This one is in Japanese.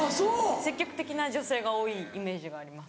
積極的な女性が多いイメージがあります。